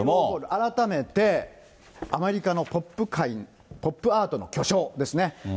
改めて、アメリカのポップ界、ポップアートの巨匠ですね。